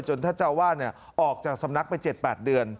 ท่านเจ้าวาดออกจากสำนักไป๗๘เดือน